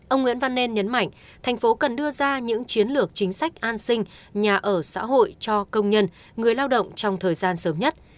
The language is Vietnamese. ông nguyễn văn nên nhấn mạnh thành phố cần đưa ra những chiến lược chính sách an sinh nhà ở xã hội cho công nhân người lao động trong thời gian sớm nhất